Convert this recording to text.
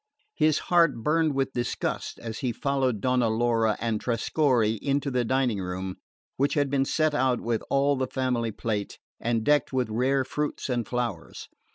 His heart burned with disgust as he followed Donna Laura and Trescorre into the dining room, which had been set out with all the family plate, and decked with rare fruits and flowers.